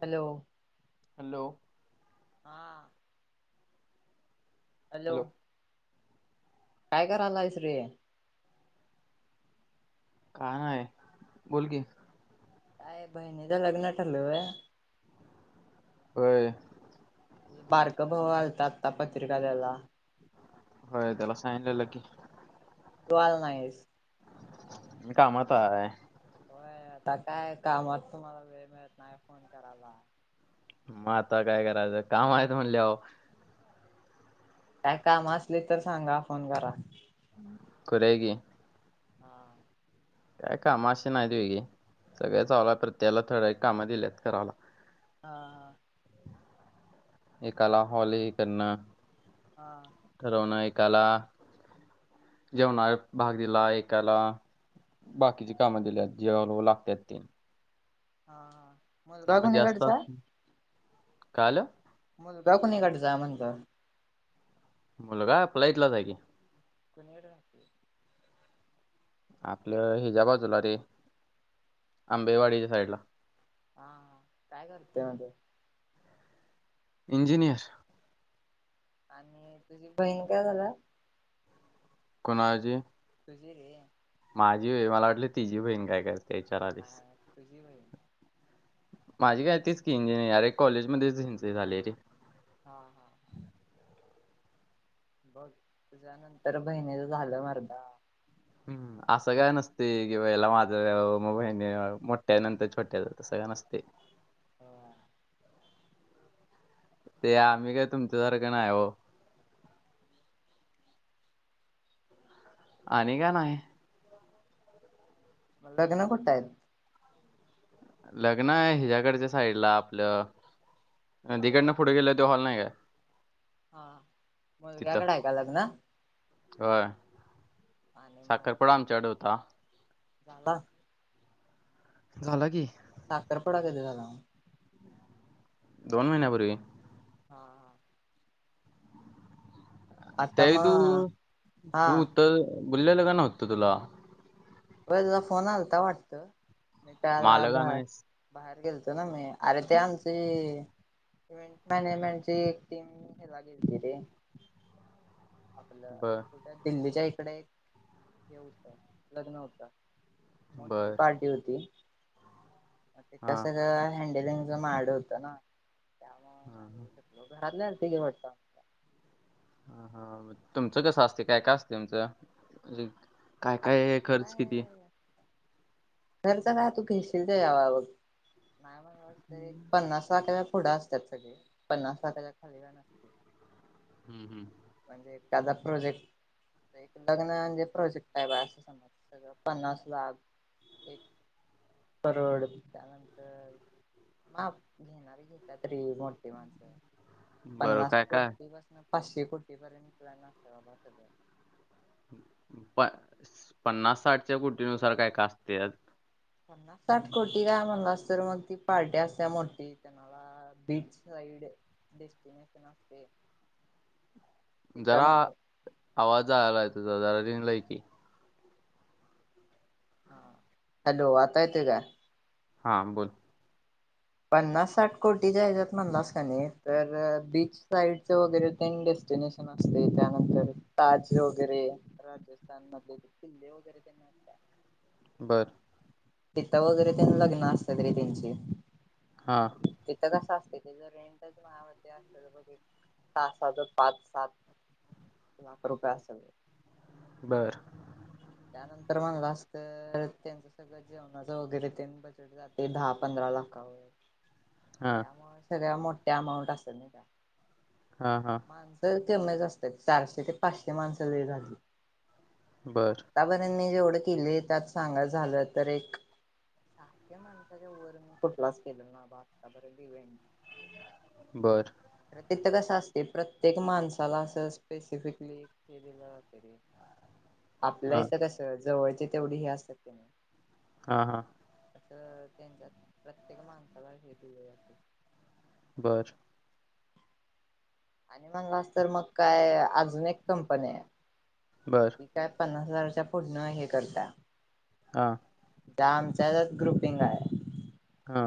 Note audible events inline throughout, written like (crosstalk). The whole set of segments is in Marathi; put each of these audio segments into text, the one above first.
हॅलो. हॅलो. हा. हॅलो काय करालायस रे काण आहे बोल की काय बहिणी द लग्न ठलंय होय बारक भाव घलतात आता पत्रिका दला होय त्याला सांगलेलं की तुल नाहीस कामता आहे होय आता काय कामात तुम्हाला वेळ मिळत नाही फोन करायला मग आता काय करायचं काम आहेत म्हणलेह काय काम असले तर सांगा फोन करा कराय क हा काय काम अे नाहीत वगे सगळे चावला प्रत्येला थोड्या कामं दिल्यात करायला हा हा एक कला हॉल हे कर हा ठरवण एकाला जेवणा भाग दिला एकाला बाकीची कामं दिल्यात जेव्हा ल लागत आहेत ती हा मुजबागुणीकडचा काल मग दाकून काडचा म्हणत मुलगा फ्लाटलाच आहे की कणी रा आपलं हिज्या बाजूला रे आंबेवाडीच्या साईडला हा काय करते म ती इंजिनियर आणि तुझी बहीण काय झाल्या. कुणाची तुझी रे माझी वय मला वाटलं तिझी बहीण काय करते. इचार आलीस. नाय तुझी बहीण माझी काय तीच की इंजिनिरे कॉलेजमध्येचं झाली इंजिनियरे झाली रे हा-हा बघ तुझ्या नंतर बहिणीच झालं मर्दा हम्म, असं काय नसते किवाला माझं मग बहिणी मोठ्या नंतर छोट्या तसं काय नसते. हा ते आम्ही काय तुमच्यासारखं नाही हो आणि का नाही लग्न कठत येईल लग्न आहे हिच्या्याकडच्या साईडला आपलं तिकडनं पुढे गेलं त हॉल नाही काय हा मुलग्याकडे ऐका लग्न का आणि म आता झाला. झाला की साखरपुडा कधी झाला. दोन महिन्यापूर्वी हा-हा आता त्याही तू मग हा तूत बोललेलं का न होत तुला वई तिचा फोन आलाता वाटत नित्या मग ळाला आलं का भार नाहीस बाहेर गेलतो ना मी अरे ते आमची इव्ंट मॅनेजमेंटची एक टीम हेला गेल ती रे आपलं बर कुठे दिल्लीच्या इकडे एक हे होतं लग्न होत. मोठी बर पार्टी होती. तिथल हा सगळं हँडलिंगच माझ्याकड होत ना त्यामुळे हा-हा न्हवं घरात नाही तिघे वाटतं. हा-हा तुमचं कसं असते काय-काय असते तुमचं म्हजे काय-काय आता खर्च किती काय खर्च का तू घेशील त्याच्यावं आहे बघ एक पन्नास लाखाच्या पुुढं असतात सगळे पन्नास लाखाला खालच्या काय नाय हम्म-हम्म म्हणजे एकादा प्रोजेक्ट एक लग्न म्हणजे प्रोजेक्ट आहे बा असं समज सगळ पन्नास लाख एक परवडत त्यानंतर माप घेणार घेत्यात रे मोठे माणसं बर पन्नास काय-काय कोटी पासून पाचशे कोटी पर्यंत प्लॅन असत बाबा सगळं प पन्नास साठच्या कुटी नुसार काय-काय असते आज पन्नास साठ कोटिला म्हणालास तर मग ती पार्टी असते मोठी त्यांमला बीच साईड डेस्टनेशन असते. तिथं जरा मग आवाज जायला आहे तुजा जरा रेंजला की हां हॅलो आता येतोय का हां बोल पन्नास साठ कोटीच्या्याच्यात म्हणलास का नाही तर बीच साईडचं वगैरे डेस्टिनेशन ते त्यानंतर ताजे वगैरे राजस्थानला तेण किल्ले वगैरे त्यांना असता बरं पिता वगैरे त्यां लग्न असत तरी त्यांची हा तिथं कसं असते ते रेंज तसाच पाच सात लाख रुपये असत्यात बरं त्यानंतर म्हणला अस तर त्यांच सगळं जेवणाच वगैरे ते बजेट जाते दहा पंधरा लाखा वर हा त्यामुळे सगळ मोठ्या अमाउंट असत्यात नहीं का हा हा माणसं तेच असतात चारशे ते पाचशे माणसं लय झाली. बरं आतापर्यंत मी जेवढं केले त्यात सांगा झालं तर एक सहाशे माणसाच्या वर मी कुठलाच केलेला ना बा आत्ता बर ईव्हेटं बर तर तिथं कसं असते प्रत्येक माणसाला असं स्पेसिफिकली हा आपल्याहिस कस जवळचे तेवढी हे असतात. त काय नाय हा हा असं त्यांच्यात प्रत्येक माणसाला हे दिले जाते बरं आणि म्हणलास तर मग काय अजून एक कंपनी आहे बरं क काय पन्नास हजारच्या पुढन हे करता हा त्या आमच्याच ग्रुपिंग आहे हा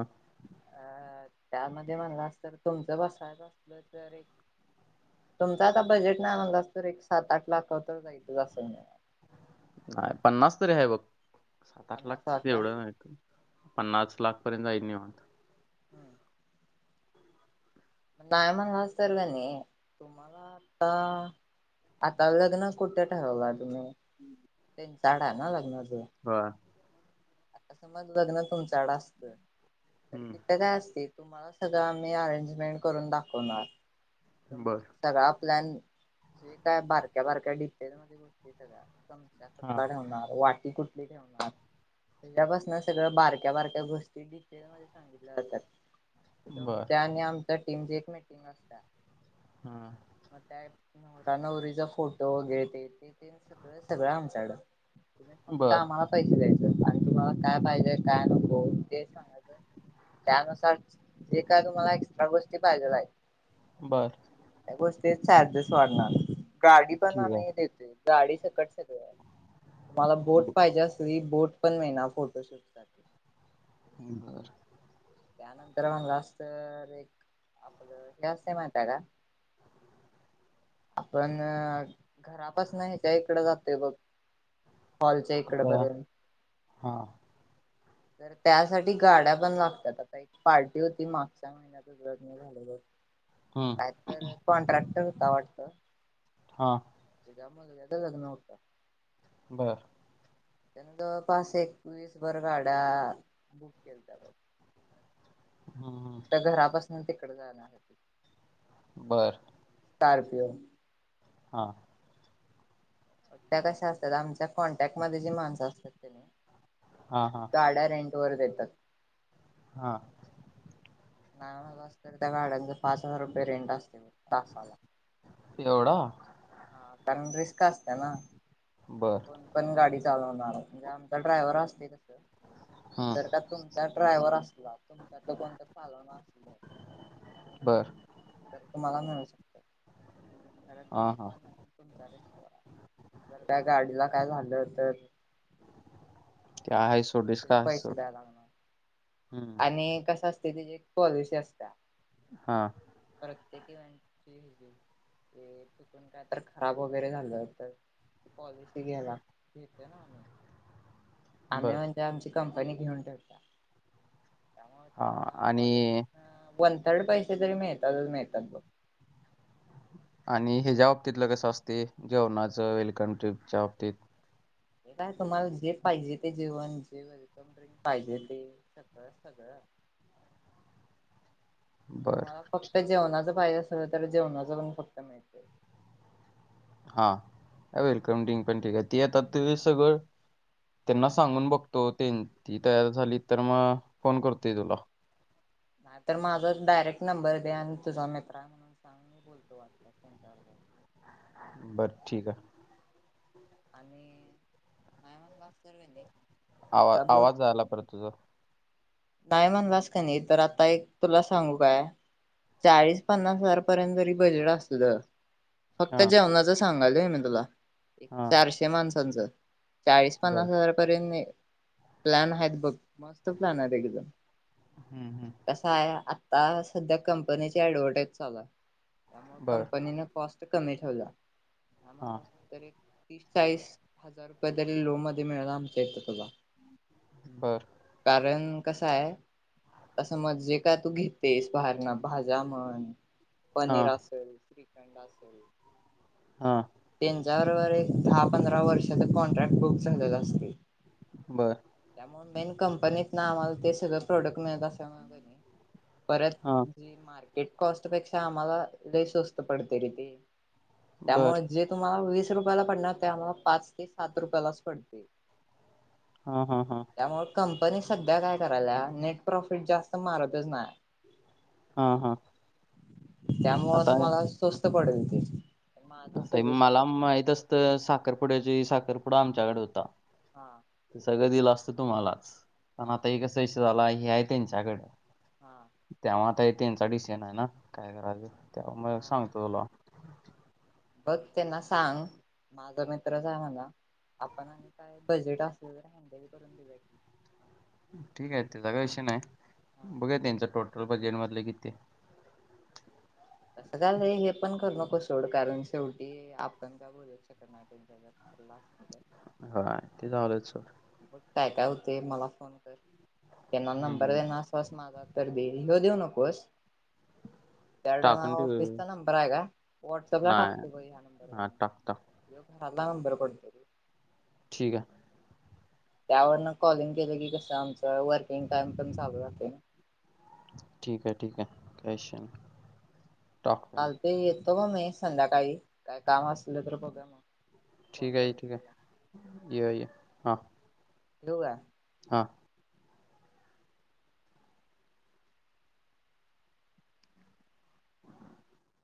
अ त्यामध्ये म्हणला अस तर तुमचं बसायचं असल तर तुमचं आता बजेट नाही म्हला असत तर एक सात आठ लाख तर जायचं असेल ना नाही पन्नास तरी आहे बघ सात आठ पन्नास लाख काय एवढं नाही पन्नास लाखपर्यंत जाईनी निवांत हम नाहीय म्हणला तरी कणी तुम्हाला आता आता लग्न कुठे ठरवला तुम्ही डा ना लग्न त वह आता समज लग्न तुमच्याकड असत तर हम्म तितकं काय असतील तुम्हाला सगळं आम्ही अरेंजमेंट करून दाखवणार बर सगळा प्लॅन जे काय बारक्या बारक्या डिटेल मध्ये गोष्टी सगळ्या हा कुठला ठेवणार वाटी कुठली ठेवणार त्या्यापासून सगळं बारक्या बारक्या गोष्टी डिटेल मध्ये सांगितल्या जातात बर तुमच्या आणि आमच्या टीमची एक मेटिंग असत हम्म मग त्या नवरा नवरीचा फोटो वगैरे ते ते सगळं सगळं आमच्याकडं फक्त बर आम्हाला पैसे द्यायचं मला काय पाहिजेय काय नको ते सांगायच त्यानुसार जे काय तुम्हाला एक्स्ट्रा गोष्टी पाहिजेल आहेत बरं गोष्टी चार्जेस वाढणार गाडी पण ठीक आम्ही देतो. गाडी सकट सगळ आहे तुम्हाला आहे बोट ब- पाहिजे असली बोट पण मिळणार फोटोशूटसाठी. बर त्यानंतर मग जास्त एक आपलं असते माहि आहे का? आपण घरापास नाहीच्या इकड जातेय बघ. हॉल च्या इकडे पर्यंत. हां तर त्यासाठी गाड्या बण लागतात आता एक पार्टी होती मागच्या महिन्यात लग्न झालेलं होतं. हम्म काय तर कॉन्ट्रॅक्ट होता वाटत. हा (unintelligible) लग्न होतं. बरं त्यान जवळ पाच एकवीस भर गाड्या बुक केलत्या बघ. हम्म हम्म घरापासून तिकडे जाणार हो बरं स्कारपिओ हा त्या कशा असतात आमच्या कॉन्टॅक्ट मध्ये जे माणसं असतात का हा हा नी (unintelligible) वर देतात. हा नाहीत त्या गाड्या पाच हजार रुपये रेंट असते तासाला. एवढं! हा कारण रिस्क असत ना. बर! कोण पण गाडी चालवणार म्हणजे आमचा ड्रायव्हर असतोय तस. जर हम्म का तुमचा ड्रायव्हर असला तुमच्यातल कोण तर चालवणार असलं. बर! तर तुम्हाला मिळू शकत. कारण हा ते हा पण? तुमच्या जर काय गाडीला काय झालं तर? ते आहे सोड रे. का आहे पैसे द्याय हम्म लागणार आणि कसं असते ते जी पॉलिसी असत्या. हा! प्रत्येकी (unintelligible) तिथून काय तर खराब वगैरे झाल तर पॉलिसी घ्याला घेते ना आम्ही. (inaudible) आम्ही म्हणजे आमची कंपनी घेऊन ठेवत्या त्यामुळे हा त्यांना आणि पॉलिसी. वन थर्ड पैसे जरी मिळतातच मिळतात बघ. आणि ह्याच्या बाबतीतलं कसं असते? जेवणाच वेलकम ट्रिपच्या बाबतीत. हे काय तुम्हाला जे पाहिजे ते जेवण जे वेलकम ड्रिंक पाहिजे ते सगळं सगळं. बर तुम्हाला फक्त ठी- जेवणाच पाहिजे असलं तर जेवणाच पण फक्त मिळ. हा वेलकम ड्रिंक पण ठीक आहे ते आता ते सगळं. तेन्हा सांगून बघतो ते ती तयार झाली तर मग फोन करतोय तुला. नाही तर माझा डायरेक्ट नंबर दे आणि तुझा मित्र आहे म्हणून सांग मी बोलतो वाटलंस त्यांच्या. बरं ठीक हाय. आणि नाय म्हणलास तर मी. आवा आवाज जायाला परत तुझ. नाही म्हणलास कणी तर आता एक तुला सांगू काय? चाळीस पन्नास हजारपर्यंत जरी बजेट असल. फक्त हा जेवणाच सांगालय मी तुला हा चारशे माणसाचं. चाळीस पन्नास बर हजारपर्यंत प्लॅन आहेत बघ मस्त प्लॅन आहेत एकदम. हम्म हम्! कस आहे आता सध्या कंपनीची ऍडव्हर्टाईज चालू आहे त्यामुळे बर कंपनीन. कॉस्ट कमी ठेवल्या. हा! तर एक तीस चाळीस हजार रुपये तरी लोन मध्ये मिळेल आमच्या इथे तुला. बर! कारण! कस आहे आता समज काय तू घेतेस बाहेर न भाज्या म्हण. हा पनीर असेल श्रीखंड असेल. हा! त्यांच्याबरोबर एक दहा पंधरा वर्षाचा चा कॉन्ट्रॅक्ट बुक झाल्याला असते. बरं! त्यामुळ मेन कंपनीत न आम्हाला ते सगळं प्रोडक्ट मिळत अस. परत हा जे मार्ट. किट कॉस्ट पेक्षा आम्हाला लय स्वस्थ पडते रे ते त्यामुळ बर जे. तुम्हाला वीस रुपयाला पडणार ते आम्हाला पाच ते सात रुपयालाच पडते. हा हा हा! त्यामुळं कंपनी सध्या काय करायला नेट प्रॉफिट जास्त मारतच नाय. हा हा! त्यामुळं आता तुम्हाला स्वस्त पडेल ते. माझं आता हे सजेशन मला आहे माहित असत साखरपुड्याच्या वेळी साखरपुडा आमच्याकड होता. हां! ते सगळं दिलं असतं तुम्हालाच पण हा आता हे कसा विषय झालाय हे हाय तेंच्याकडं. हा. तेव्हा आता त्यांचा डिशेन आहे ना काय करायचं तेव्हा मग हा सांगतो तुला. बघ त्यांना सांग माझ मित्रच आहे म्हना आपण काय बजेट असल तर हँडल करून देऊ ठीक आहे, त्याचा कशी नाही हा बघा त्यांचं टोटल बजेट मधले किती. तसं झालं हे पण करू नको सोड कारण शेवटी आपण का बोलू शकतणार. रला असत तर (unintelligible) हाय ते झालेच सोड. ब काय काय होते मला फोन कर त्यांना नंबर हम्म देणार. बस माझा तर दे लिऊ देऊ नकोस. त्याड टाकून ठेव ऑफिसचा नंबर आहे का व्हॉट्सअपला नाही टाकतो बा ह्या नंबरवरून. हा टाक टाक य अ लाण बर पडते. ठीक आहे. त्यावरन कॉलिंग केलं की कसं आमचं वर्किंग टाइम पण चालू जाते. ठीक आहे ठीक आहे कश टॉक. ते येतो ब मी संध्याकाळी काय काम असलं तर बघा मग फोन ठीक आहे करत. ठीक ये हा. (unintelligible) हा